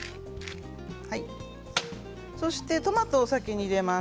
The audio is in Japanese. そしてトマトを先に入れます。